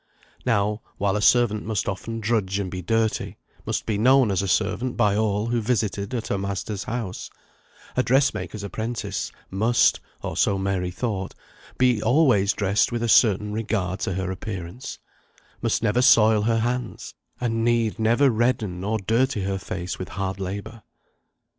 Now, while a servant must often drudge and be dirty, must be known as a servant by all who visited at her master's house, a dressmaker's apprentice must (or so Mary thought) be always dressed with a certain regard to appearance; must never soil her hands, and need never redden or dirty her face with hard labour.